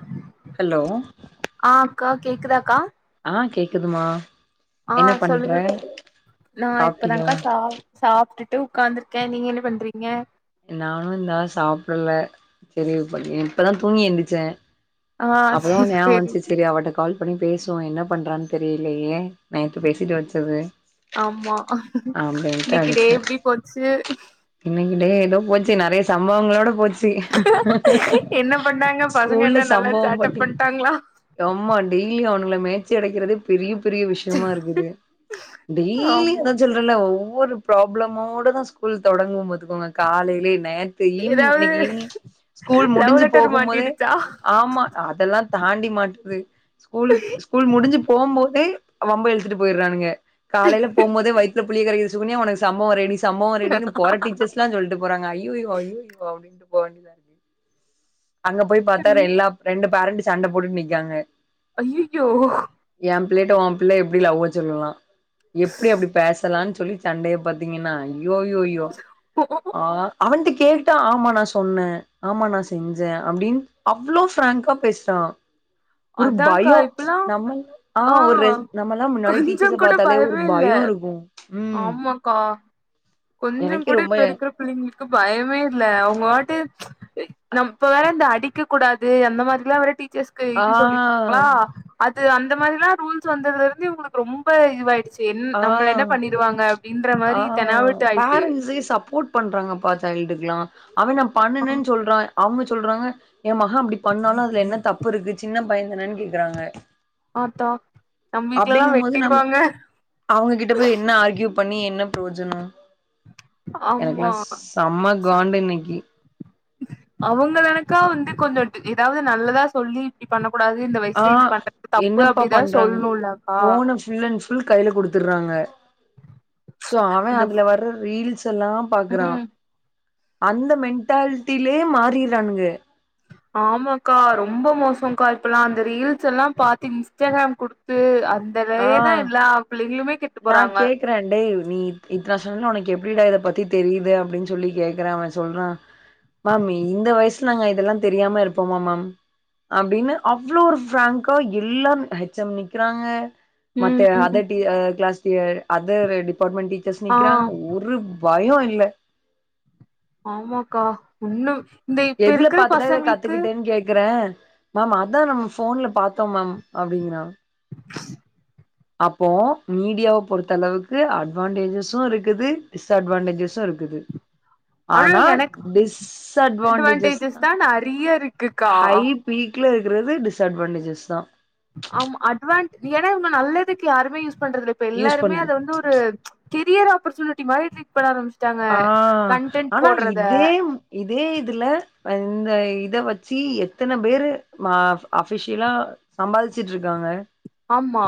ஆ hello? ஆ அக்கா கேக்குதாக்கா? ஆ கேக்குதுமா. ஆ என்ன பண்ற சொல்லுங்க நா சாப்ட்டியா இப்பதாங்க்கா சா சாப்டுட்டு உக்காந்துருக்கே. நீங்க என்ன பண்றீங்க? நானு இன்னு வே சாப்பிடல்ல செரி ப்ப இ இப்பதா தூங்கி எந்திச்சே. ஆ அப்பதா செரி உ நியாபகோ வஞ்ச்சி செரி அவட்டக் கால் பண்ணி பேசுவோ என்ன பண்றான் தெரிலையே நைட்டு பேசிட்டு வெச்சது. ஆம்மா இன்னிக்கி டே எப்டி போச்சு? இன்னிக்கி டே எதோ போச்சி நெறைய சம்பவங்களோட போச் சி என்ன பண்ணாங்க பசங்க ஸ்கூல்ல என்ன நல்லா சம்பவம் சேட்ட பட்டி பண்ட்டாங்களா யம்மா டெய்லி அவுனுங்கள மேச்சு அடக்கிறதே பெரிய பெரிய விஷ்யமா இருக்குது டெய்லி ஆமா எதாச்சு [unintelligible] ரில்ல ஒவ்வொரு ப்ராப்ளமோட தா ஸ்கூல் தொடங்கும் பாத்துக்கோங்க காலைலே நே த்தே ஈவ்னிங் ஏதாவது இன்னிக் ஈவ்னிங் ஸ்கூல் லவ் முடிஞ்சு லெட்டர் போகும் போதே மாட்டிடுச்சா ஆமா அதெல்லா தாண்டி மாட்டுது ஸ்கூலுக் ஸ்கூல் முடிஞ்சு போம் போதே வம்ப இழுத்துட்டு போயிர்றானுங்க. காலைல போம் போதே வய்த்துல புளிய கரைக்குது சுகன்யா உனக்கு சம்பவோ ரெடி ஸ் சம்பவோ ரெடினு போற டீச்சர்ஸ்லா சொல்ட்டு போறாங்க அய்யய்யோ அய்யய்யோ அப்டின்ட்டு போ வேண்டிதாரு அங்க போய் பாத்தா ரெல்லாப் ரெண்டு பேரண்ட்டு சண்ட போட்டுட் நிக்கியாங்க. அய்யய்யோ. ஏ பிள்ளைட்ட ஓ பிள்ள எப்டி லவ்வ சொல்லலா எப்பிடி அப்பிடி பேசலான் சொல்லி சண்டைய பாத்தீங்கன்னா அய்யோய்யோயோ ஆ அவன்ட்ட கேட்டா ஆமா நா சொன்னே ஆமா நா செஞ் ஜ அப்படின் அவ்வளோ பிராங்கா பேசுறா ஒரு அதான்க்கா பயோ இப்பல்லா நம்பலா ஆ ஒரு நம்மல்லா முன்னாடி கொஞ்சோ டீச்சர்ஸ கூட பாத்தாலே ஒரு பயமே இல்ல பயோ இருக்கு ம் ஆமாக்கா கொஞ்சோ எனக்கே கூட ரொம்ப இப்ப இருக்கற பிள்ளைங்களுக்கு பயமே இல்ல அவங்க வாட்டு நம் இப்ப வேற இந்த அடிக்க கூடாது அந்த மாரிலா வேற டீச்சர்ஸ்க்கு ஆ இது சொல் [inaudible] அது அந்த மாரிலா ரூல்ஸ் வந்ததுல இருந்து இவங்களுக்கு ரொம்ப இதுவாயிடுச்சு என் ஆ நம்பள என்ன பண்ணிருவாங்க ஆ ன்றமாரி தெனாவட் பேரண்ட்ஸே சப்போர்ட் பண்றாங்கப்பா சைல்டுக்குலா அவே நா பண்ணுனன் சொல்றா அவுங்க சொல்றாங்க எ மக அப்படி பண்ணாலு அதுல என்ன தப்பு இருக்கு சின்ன பைய தானேன்னு கேக்குறாங்க ஆத்தா நம் வீட்லெல்லா வெட்டிருவாங்க அவுங்க கிட்ட போய் என்ன ஆர்கியூ பண்ணி என்ன பிரோஜனோ ஆமா எனக்குலா செம்மா காண்டு இன்னிக்கி அவுங்க தானக்கா வந்து கொஞ்சோ எதாவது நல்லதா சொல்லி இ பண்ணக்கூடாது இந்த ஆ வயசுல இது பண்றது தப்பு என்னப்பா அப்படிதா பண்றாங்க சொல்ணுல்லக்கா போன ஃபுல் அண்ட் ஃபுல் கைல குடுத்துறாங்க சோ அவே இந்த அதுல வர ரீல்ஸ் த்தெல்லா பாக்குறா ம் அந்த மெண்ட்டால்ட்டிலே மாறிறாங்க ஆமாக்கா ரொம்ப மோசோ கா இப்பல்லா அந்த ரீல்ஸெல்லா பாத்து இன்ஸ்டாகிராம் குடுத்து அந் ஆ [inaudible] தா எல்லா புள்ளிகளுமே கெட்டு போறாங்க க்ற டேய் நீ இத் இத்தன வருஷம்னா உனக்கு எப்டிடா இத பத்தி தெரியிது அப்டின் சொல்லி கேக்கறே அவே சொல்றா மேம் இந்த வயசுல நாங்க இதெல்லா தெரியாம இருப்போமா மம் அப்டின்னு அவ்ளோ ஒரு ஃபிராங்க்கா எல்லாம் ஹெச் எம் நிக்கறாங்க மத்த ம் ம் அதர் டி அ க்ளாஸ் டி அ அதர் டிபார்ட்மெண்ட் டீச்சர்ஸ் ஆ நிக்கறாங்க ஒரு பயோ இல்ல ஆமாக்கா உன்னுவ் எதுல பாத்துடா இத கத்துக்கிட்டனு கேக்குறே மேம் அதா நம்ம போன்ல பாத்தோம் மேம் அப்படிங்கறா அப்போ மீடியாவ பொறுத்தளவுக்கு அட்வான்டேஜஸு இருக்குது டிஸ்அட்வான்டேஜஸு இருக்குது ஆனா டிஸ்அட்வான்டேஜஸ் அட்வான்டேஜஸ் தா நெறைய இருக்குக்கா [inaudible] ஹை பீக்ல இருக்கறது டிஸ்அட்வான்டேஜஸ் தா ஆம் அட்வான் ஏன்னா இவங்க, நல்லதுக்கு யாருமே யூஸ் பண்றதுல்ல இப்ப யூஸ் எல்லாருமே பண்றது அத வந்து ஒரு கெரியர் ஆப்பர்ச்சுனிட்டி மாரி ட்ரீட் பண்ண ஆரம்பிச்சுட்டாங்க ஆ கன்டென்ட் ஆனா போட்றத இதே இதே இதுல அந்த இத வச்சி எத்தன பேரு ம அஃபிஷியலா சமால்ச்சுட்ருக்காங்க ஆமா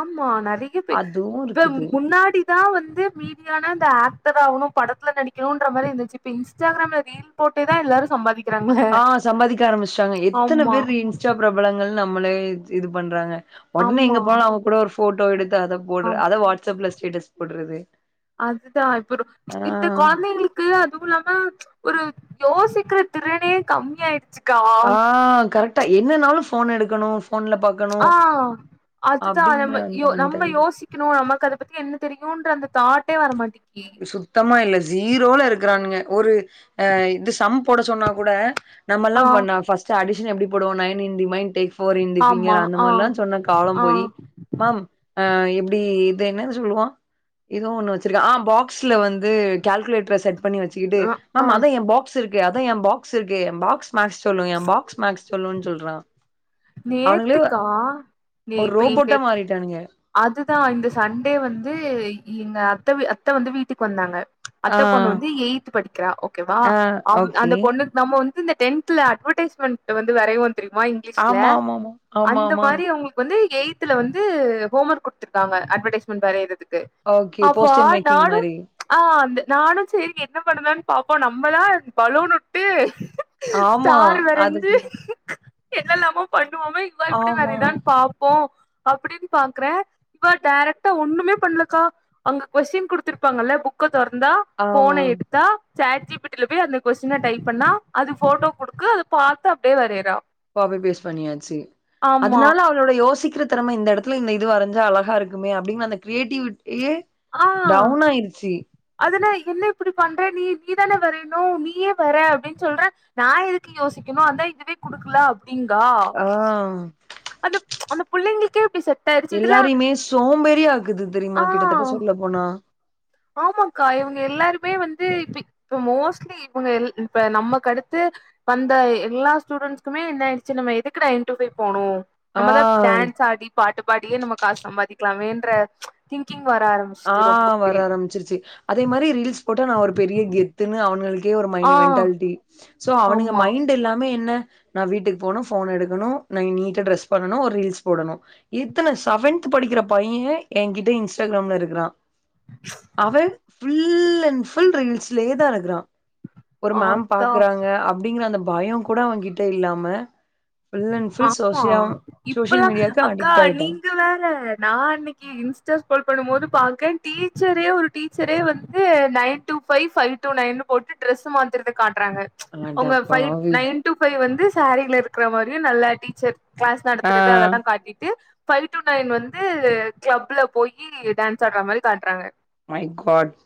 ஆமா நெறைய பே அதுவு த இருக்குது முன்னாடி தா வந்து மீடியான இந்த ஆக்டர் ஆவணு படத்துல நடிக்கணுன்ற மாரி இருந்துச்சு இப்ப இன்ஸ்டாகிராம்ல மீ ல் போட்டே தா எல்லாரு சம்பாதி ஆ சம்பாதிக்க ஆரம்பிச்ட்டாங்க எத்தன ஆமா பேரு ரீ இன்ஸ்டா பிரபலங்கள்னு நம்மளே இது பண்றாங்க ஒடனே ஆமா எங்க போலா அவ கூட ஒரு ஃபோட்டோ எடுத்து அத போடு ஆம் அத வாட்ஸ்அப்ல ஸ்டேட்டஸ் போட்றது அதுதா இப்பரு இந்த கொழந்தைகளுக் க்கு அதுவு இல்லாம ஒரு யோசிக்கற திறனே கம்மி ஆயிருச்சு ஆ கரெக்ட்டா என்னனாலு ஃபோன் எடுக்கணு ஃபோன்ல பா ஆ அதுதா நம்ப அந்த யோ நம்ப மென்டாலிட்டி யோசி க்கினு நமக்கு அத பத்தி என்ன தெரியூன்ற அந்த தாட்டே வர மாட்டிக்கி சுத்தமா இல்ல ஜீரோல இருக்கறானுங்க ஒரு ஆ இது சம் போட சொன்னா கூட நம்ம எல்லா ஆ ஃப ஃபஸ்ட்டு அடிஷன் எப்டி போடுவோ nine in the remain takes four in the ஆமா ஃபிங்கர் அந்த ஆ மாரிலா சொன்ன காலோ ஆ போயி மாம் ஆ எப்டி இத என்னனு சொல்லுவா எதோ ஒண்ணு வச்சிருக்க, ஆ பா க்ஸ்ல வந்து கால்குலேட்டர செட் பண்ணி வச்சுக்கிட்டு அ ஆ மாம் அதா எ பா க்ஸ் இருக்கே அதா எ பாக்ஸ் இருக்கே, எ பாக்ஸ் மேக்ஸ் சொல்லு, எ பாக்ஸ் மேக்ஸ் சொல்லுனு சொல்றா அவனுங்ளே நேத்துக்கா ஒரு ரோபோட்டா மாறிட்டானுங்க அதுதா இந்த சண்டே வந்து எங்க அத்த அத்த வந்து வீட்டுக்கு வந்தாங்க ஆ அத்த பொண்ணு வந்து எயித்து படிக்கிறா ஓகேவா ஆ அவ் ஓகே அந்த பொண்ணு நம்ம வந்து இந்த டென்த்ல அட்வட்டைஸ்மெண்ட் வந்து வரைவோ தெரிமா இங்க்லிஷ்ல ஆமா ஆமாமா ஆமா அந்த ஆமா மாரி அவுங்களுக் வந்து எயித்துல வந்து ஹோம் ஒர்க் குடுத்துருக்காங்க அட்வட்டைஸ்மெண்ட் வரைரது க்கு ஓகே அப்பா போஸ்டர் மேக்கிங் நானு மாரி ஆ அந்த நானு சேரி என்ன பண்ணுதானு பாப்போ நம்மதா பலூன் வுட்டு ஆமா ஸ்டார் வரஞ்சு அதுக்குள்ள என்னலாமோ பண்ணுவோமே இவா எப்டி ஆமா வரைறானு பாப்பு அப்டின்னு பாக்றே இவ டேரெக்டா ஒண்ணுமே பண்ணலக்கா அங்க கொஸ்டின் குடுத்திருப்பாங்கல்ல புக்க தொறந்தா ஆமா ஃபோன எடு த்தா சேட் ஜி பீ டில போய் அந்த கொஸ்டின டைப் பண்ணா அது போட்டோ குடுக்கு அத பாத்து அப்டியே வரைறா ப்பாவே பேஸ் பண்ணியாச்சு அதனால அவ ளோட யோசிக்கிற திறமை இந்த இடத்துல இந்த இது வரைஞ்சா அழகா இருக்குமே அப்படின்னு அந்த கிரியேட்டிவிட்டியே ஆ டவுன் ஆயிருச்சு அத நா என்ன இப்டி பண்ற நீ நீ தானே வரையணு நீயே வர அப்டின்னு சொல்ற நா எதுக்கு யோசிக்குணு அதா இதுவே குடுக்குலா அப்டிங்கா ஆ அந்த அந்த புள்ளைங்களுக்கே அப்டி செ எல்லாரையுமே சோம்பேறி ஆக்குது ஆ தெரிமா கிட்டத்தட்ட சொல்ல போனா ஆமாக்கா இவங்க எல்லாருமே வந்து இப்ப இப்ப மோஸ்ட்லி இவங்க எல் இப்ப நமக்கு அடுத்து வந்த எல்லா ஸ்டூடென்ஸ்க்குமே என்ன ஆயிடுச்சு நம்ம எதுக்குடா இன்டூஃபைவ் போனு ஆ நம்மதா டான்ஸ் ஆடி பாட்டு பாடியே நம்ம காசு சம்பாதிக்கலாமேன்ற திங்கிங் வர ஆரம் ஆ, வர ஆரம்பிச்சிருச்சு அதே மாரி ரீல்ஸ் போட்ட நா ஒரு பெரிய கெத்துனு அவனுங்களுக் கே ஒரு ஆ மைண்டு மென்டாலிட்டி சோ அவனுங்க ஆமா மைண்ட் எல்லாமே என்ன நா வீட்டுக்கு போணு ஃபோன் எடுக்கணு நா நீட்டா ட்ரெஸ் பண்ணணு ஒரு ரீல்ஸ் போடணு எத்தன செவன்த் படிக்கிற பைய எ கிட்ட இன்ஸ்டாகிராம்ல இருக் றா அவ ஃபுல் அண்ட் ஃபுல் ரீல்ஸ்லயேதாருக்குறா ஒரு ஆ மேம் அதா பாக்குறாங்க அப்டிங்கிற அந்த பயம் கூட அவ கிட்ட இல்லாம ஃபுல் அண்ட் ஃபுல் ஆமா, சோசியா சோசியல் இப்பல்லா மீடியாக்கு அக்கா அடிக்ட் ஆயிட்டான். நீங்க வேற நா அன்னைக் கி இன்ஸ்டா ஸ்க்ரோல் பண்ணும்போது பாக்க டீச்சரே ஒரு டீச்சரே வந்து nine to five, five to நைன்னு போட்டு ட்ரெஸ் மாத்தறத காட்டுறாங்க உங்க ஃபைவ் அடப்பாவி நைன் டூ ஃபைவ் வந்து சாரீல இருக்கிற மாரியு நல்லா டீச்சர் கிளாஸ் ஆ நடத்துறது அதெல்லா காட்டிட்டு ஃபைவ் டு நைன் வந்து கிளப்ல போயி டான்ஸ் ஆடுற மாரி காட்டுறாங்க மை காட்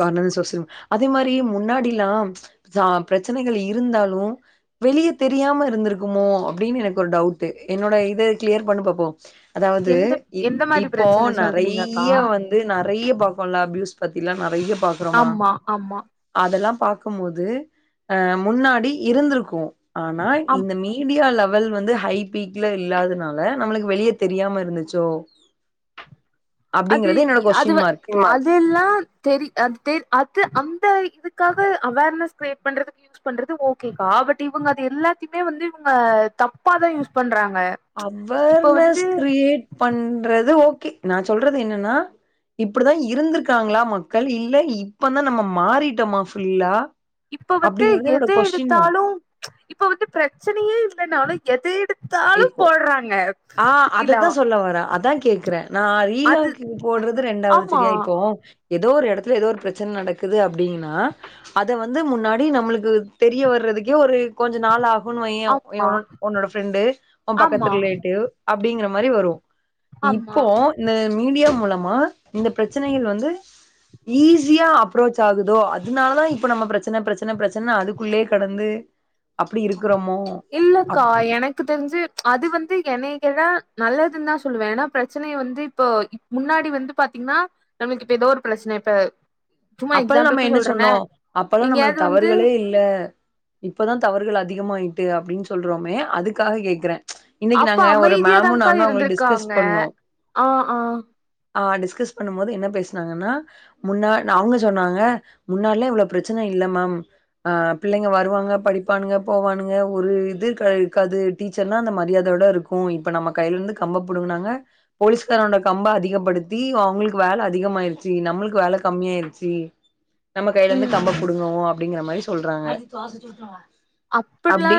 காரண இந்த சோசியல், அதே மாரி முன்னாடில்லா சா பிரச்சனைகள் இருந்தாலு வெளிய தெரியாம இருந்துருக்குமோ அப்டின்னு எனக்கு ஒரு டவுட், என்னோட இத கிளியர் பண்ணு பாப்போ அதாவது எந்த இப் எந்த மாரி இப்போ பிரச்சன சொல்றீங்கக்கா நறைய வந் து நறைய பாக்கோல அபியூஸ் பத்திலா நறைய பா ஆமா ஆமா அதெல்லா பாக்கும் போது அ முன்னாடி இருந்திருக்கு ஆனா இந்த மீடியால வ வல் வந்து ஹை பீக்ல இல்லாதனால நம்மளுக்கு வெளிய தெரியாம இருந்துச்சோ அப்படிங்கறது என்னோட அதுவ கொஸ்டின் மார்க். அதுல்லா தெரி அ அது அந்த இதுக்காக அவர்னஸ் கிரேட் பண்றதுக்கு யூஸ் பண்றது ஓகேக்கா பட் இவங்க அது எல்லாத்தையுமே வந்து இவங்க தப்பா தா யூஸ் பண்றாங்க இப்ப வந்து அவர்னஸ் கிரியேட் பண்றது ஓகே நா சொல்றது என்னன்னா இப்டிதா இருந்திருக்காங்களா மக்கள் இல்ல இப்ப தா நம்ம மாறிட்டமா ஃபுல்லா இப்ப வந்து அப்டிங்கிறது எத என்னோட கொஸ்டின் மார்க் எடுத்தாலு இப்ப வந்து பிரச்சனையே இல்லைனாலு எத எடுத் இப்போ ப்றாங்க ஆ அதத்தா சொல்ல வர அதா கேக்குறே நா அது லிலாக்கு போடுறது ரெண்டாவது ஆமா சரியா இப்போ ஏதோ ஒரு எடத்துல ஏதோ ஒரு பிரச்சன நடக்குது அப்டின்னா அத வந்து முன்னாடி நம்மளுக்கு தெரிய வரதுக்கே ஒரு கொஞ்ச நாள் ஆகு வுனு வையே எ ஆமா உன்னோ உன்னோட ஃப்ரெண்டு உன் பக்கத்து ஆமா ரிலேட்டிவ் அப்டிங்கிற மாரி வரு ஆமா இப்போ இந்த மீடியா மூலமா இந்த பிரச்சனைக வந்து ஈஸியா அப்ரோச் ஆகுதோ அதனாலதா இப்ப நம்ம பிரச்சன பிரச்சன பிரச்சனனு அதுக்குள்ளயே கடந்து அப்டி இருக்கிறமோ இல்லக்கா எனக்கு தெருஞ்சு அது வந்து என்னய கேட்டா நல்லதுன் தா சொல்லுவே ஏன்னா பிரச்சனைைய வந்து இப்போ இப் முன்னாடி வந்து பாத்தீங்னா நமளுக்கு இப்ப ஏதோ ஒரு பிரச்ன இப்ப சும்மா அப்பல் நம்ம எக்ஸாம்பிளுக்கு என்ன சொல்றேனே சொன்னோ அப்பல்லா நம்மல எங்கேயாவது வந்து தவறுகளே இல்ல இப்பதா தவறுகள் அதிகமாயிட்டு அப்படின் சொல்றோமே அதுக்காக கேக்குற இன்னைக்கு அப்ப நாங்க ஒரு மேமு அமைதியாதான்க்கா நானு அவுங்களுக் டிஸ்கஸ் இருந்திருக்காங்க பண்ணோ ஆ ஆ ஆ டிஸ்கஸ் பண்ணும் போது என்ன பேஸ்னாங்கன்னா முன்னா ல்ல அவுங்க சொன்னாங்க முன்னாட்லா இவ்ளோ பிரச்சன இல்ல மேம் அ பிள்ளைங்க வருவாங்க படிப்பானுங்க போவானுங்க ஒரு இதுருக்காது இருக்காது டீச்சர்னா அந்த மரியாதோட இருக் க்கு இப்ப நம்ம கைலருந்து கம்ப புடுங்குனாங்க போலீஸ்காரனோட கம்ப அதிகப்படுத்தி அவுங்களுக்கு வேல அதிகமாயிருச்சு நம்மளுக்கு வேல கம்மியாயிருச்சு நம்ம கைலருந்து ம் கம்ப புடுங்குவோ அப்டிங்ற மாரி சொல்றாங்க அப்புட்லா அப்டி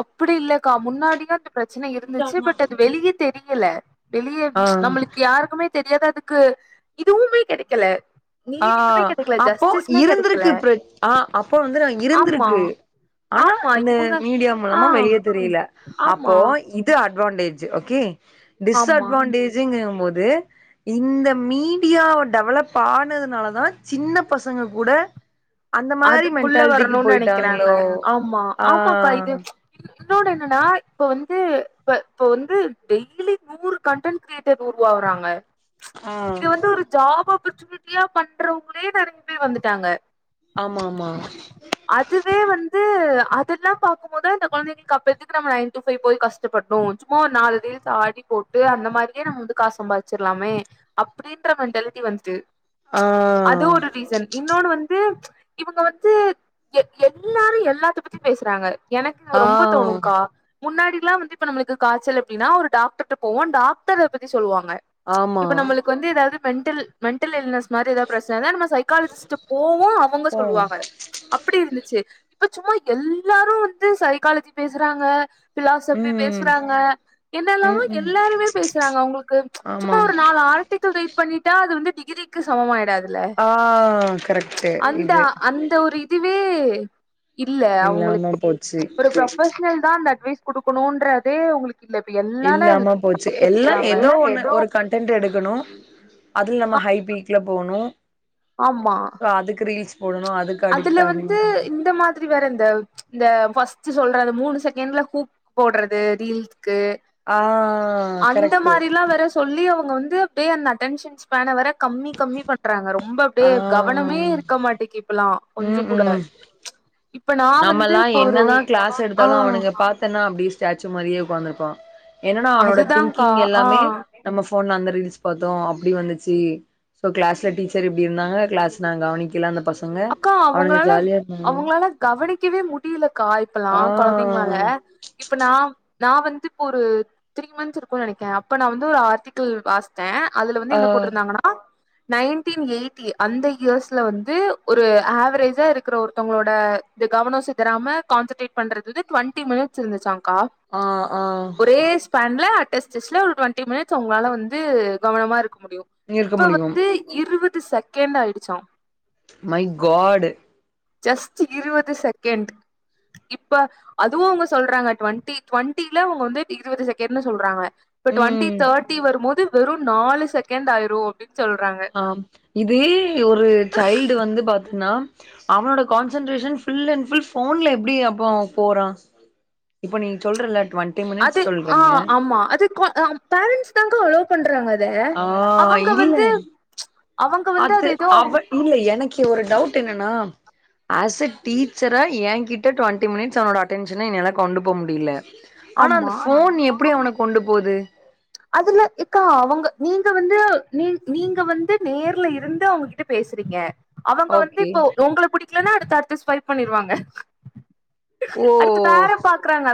அப்புடி இல்லக்கா முன்னாடிலா இந்த பிரச்சன இருந்துச்சு பட் அது வெளிய தெரியல வெளிய ச் ஆ நம்மளுக்கு யாருக்குமே தெரியாத அதுக்கு இதுவுமே கெடைக்கல அ நீதியுமே கெடைக்கல அப்போ ஜஸ்டிஸுமே கெடைக்கல இருந்துருக்கு பிரச் அ அப்போ வந்து நா ஆமா இருந்துருக்கு ஆனா ஆமா இந்த இவங்க மீடியா ஆ மூலமா வெளிய தெரியல ஆமா அப்போ இப் து அட்வான்டேஜ் ஓகே ஆமா டிஸ்அட்வான்டே ஜ்ங்கும் போது இந்த மீடியா டெவலப் ஆன் னதுனால தா சின்ன பசங்க கூட அந்த மாரி அதுக்குள்ள மென்டாலிட்டிக்கு வரணும்னு நெனைக்கிறாங்க போயிட்டாங்களோ ஆ இன்னொனு என்னன்னா இப்ப வந்து இப்ப இப்ப வந்து டெய்லி நூறு கண்டென்ட் கிரியேட்டர் உருவாவுறாங்க இது வந்து ஒரு ஜாப் ஆப்பர்சூனிட்டியா பண்றவுங்களே நெறைய பேர் வந்துட்டாங்க ஆமா ஆமா அதுவே வந்து அதெல்லா பாக்கும் போதா இந்த கொழந்தைகிள்கு அப்ப எதுக்கு நம்ம நைன் டு ஃபை போய் கஷ் கஷ்டப்படுனு சும்மா ஒரு நாலு ரீல்ஸ் ஆடி போட்டு அந்த மாரியே நம்ம வந்து காசு சம்பாதிச்சிரலாமே அப் ஈன்ற மெண்டாலிட்டி வந்சு ஆ அது ஒரு ரீசன் இன்னொன்னு வந்து இவுங்க வந்து எ எ எல்லாரு எல்லாத்த பத்தியு பேசுறாங்க எனக்கு ஆ ரொம்ப தோணுங்க்கா முன்னாடில்லா வந்து இப்ப நம்மளுக்கு காச்சல் அப்டினா ஒரு டாக்டர்ட்ட போவோ டாக்டர் அத பத்தி சொல்லுவாங்க ஆமா இப்ப நம்மளுக்கு வந்து ஏதாவது மென்டல் மென்டல் இல்னஸ் மாரி எதா பிரச்சனனா நம்ம சைகாலஜிஸ்ட்ட போவோ அவுங்க சொ அப்டி இருந்துச்சு இப்ப சும்மா எல்லாரு வந்து சைக்காலஜி பேசுறாங்க ஃபிலாசஃபி ம் பேசுறாங்க என்னல்லாமோ ம் ம் எல்லாருமே பேசுறாங்க அவுங்களுக்கு சும்மா ஆமா ஒரு நாலு ஆர்டிக்கல் ரீட் பண்ணிட்டா அது வந்து டிகிரி க்கு சமமாயிடாதில்ல ஆ கரெக்ட்டு அந்த இது அந்த ஒரு இதுவே இல்ல அவுங்களுக் இல்லாம போச்சு சி ஒரு ப்ரொஃபஷனல்தா அந்த அட்வைஸ் குடுக்கணுன்றதே உங்களு இந்தா இப்ப எல் இல்லாம போச்சு எல்லா எதோ ஒண்ணு ஒரு கண் டெண்ட் எடுக்கணு அதுல நம்ம ஹை பீக்ல போணு ஆமா அதுக்கு ரீல்ஸ் போடணு அதுக்கு அதுல அடிக்ட் ஆகணு வந்து இந்த மாதிரி வேற இந்த இந்த ஃபர்ஸ்ட் சொல்ற அந்த மூணு செக்ண்ட்ல ஹூக் போடறது ரீல்ஸ்க்கு ஆ அந்த கரெக்ட்டு மாரிலா வேற சொல்லி அவுங்க வந்து அப்டியே அந்த அட்டென்ஷன்ஸ்பேன வேற கம்மி கம்மி பண்றாங்க ரொம் ரொம்ப ஆ அப்டியே கவனமே இருக்க மாட்டேக்கி இப்பல்லா கொஞ்சோ ம் கூட ம் இப்ப நா வந்து நம்மல்லா இப்ப ஒரு ஆ இத்தன்னா அப்டியே ஸ்டாச்சு மாரியே உக்காந்துருப்பான் என்னனா அவனோட அதுதான்கா திங்கிங் ஆ எல்லாமே நம்ம ஃபோன்ல அந்த ரீல்ஸ் பாத்தோ அப்டி வந்துச்சு சோ கிளாஸ்ல டீச்சர் இப்டி இருந்தாங்க கிளாஸ் நா கவனிக்கல அந்த பசங்க அக்கா அவனுங்க அவங்களால ஜாலியா இருந்தாங்க அவங்களால கவனிக்கவே முடியலக்கா இப்பல்லா கொழந்தைங்களால ஆ இப்ப நா நா வந்து இப்ப ஒரு த்ரீ மந்த்ஸ் இருக்குன்னு நெனைக்கேன் அப்ப நா வந்து ஒரு ஆர்டிக்கல் வா ச்ச அதுல வந்து ஆ என்ன போட்டிருந்தாங்கனா நைய்ன்டீன் எயிட்டி அந்த இயர்ஸ்ல வந்து ஒரு ஆவரேஜா இருக்கற ஒருத்தவங்களோட இந்த கவனோ சிதராம கான்சென்ட்ரேட் பண்றது இது ட்வெண்ட்டி மினிட்ஸ் இருந்துச்சாங்க்கா ஆ ஆ ஒரே ஃபேன்ல அட்டெஸ்டெஸ்டில ஒரு டுவெண்டி மினிட்ஸ் அவங்களால வந்து கவனமா இருக்க முடியு இருக்க இப்ப முடியு வந்து இருவது செகண்ட் ஆயிடுச்சா மை காட் ஜஸ்ட்டு இருவது செகண்ட் இப்ப அதுவு அவங்க சொல்றாங்க டுவெண்டி டுவெண்டில அவுங்க வந்து இருவது செகண்ட்ன்னு சொல்றாங்க இப்ப டுவெண்ட்டி ம் தேர்ட்டி வரும்போது வெறு நாலு செகண்ட் ஆயிரு அப்டின்னு சொல்றாங்க ஆ இது ஒரு சைல்டு வந்து பா ச்னா அவனோட கான்சன்ட்ரேஷன் ஃபுல் அண்ட் ஃபுல் ஃபோன்ல எப்டி அப்போ போறான் இப்ப நீ சொல்றல்ல டுவெண்ட்டி மினிட்ஸ் சொல்றீங்க கொ அம் பேரண்ட்ஸ் தாங்க்கா அலோ பண்றாங்க அத ஆ அவுங்க இல்ல வந்து அவுங்க வந்து அது எதோ கீ ஒரு டவுட் என்னனா அஸ் அ டீச்சரா என்கிட்ட டுவெண்ட்டி மினிட்ஸ் அவனோட அட்டென்ஷன என்னால கொண்டு போ முடில ஆனா அந்த ஆமா போன் எப்டி அவன கொண்டு போது அதுல்ல எக்கா அவங்க நீங்க வந்து நீ நீங்க வந்து நேர்ல இருந்து அவங்ககிட்ட பேசிருக்க அவங்க வந்து ஓகே இப்போ உங்கள பிடிக்கலன்னா அடுத்த அடுத்து ஸ்வைப் பண்ணிருவாங்க ஓ அடுத்து பேற பாக்குறாங்க